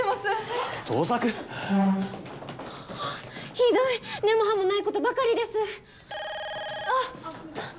ひどい根も葉もないことばかりですあっあっ